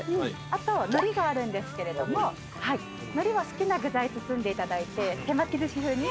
あとのりがあるんですけれどものりは好きな具材包んでいただいて手巻きずし風に。